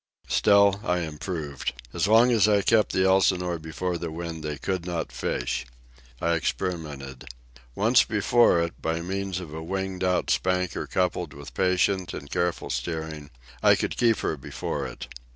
Still I improved. As long as I kept the Elsinore before the wind they could not fish. I experimented. Once before it, by means of a winged out spanker coupled with patient and careful steering, I could keep her before it.